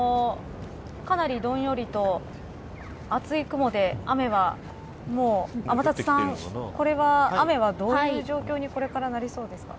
かなり、どんよりと厚い雲で雨はもう天達さん雨はどういう状況にこれからなりそうですか。